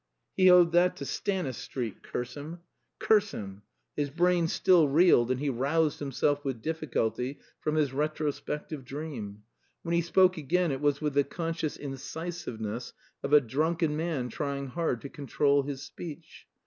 He owed that to Stanistreet, curse him! curse him! His brain still reeled, and he roused himself with difficulty from his retrospective dream. When he spoke again it was with the conscious incisiveness of a drunken man trying hard to control his speech.